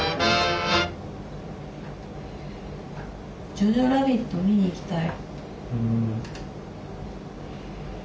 「ジョジョ・ラビット」見に行きたい。